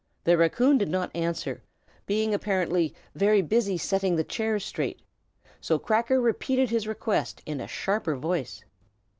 The raccoon did not answer, being apparently very busy setting the chairs straight; so Cracker repeated his request, in a sharper voice.